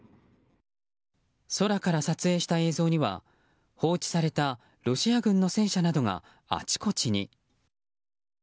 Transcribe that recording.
空から撮影した映像には放置されたロシア軍の戦車などがあちこちに。